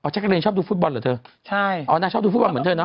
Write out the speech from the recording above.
แกล้งเล่นชอบดูฟุตบอลเหรอเธอนางชอบดูฟุตบอลเหมือนเธอเนอะ